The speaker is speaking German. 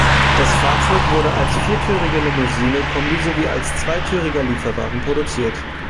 Das Fahrzeug wurde als viertürige Limousine, Kombi sowie als zweitüriger Lieferwagen produziert.